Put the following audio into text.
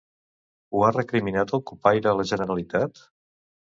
Ho ha recriminat el cupaire a la Generalitat?